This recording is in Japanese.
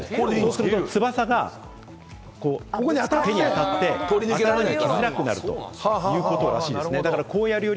すると翼が手に当たって頭に来づらくなるということらしいです。